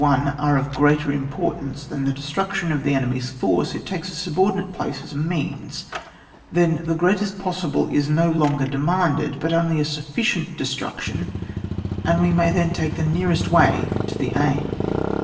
1 are of greater importance than the destruction of the enemy's force, it takes a subordinate place as a means ; then the greatest possible is no longer demanded, but only a sufficient destruc tion, and we may Uien take the nearest way to the aim.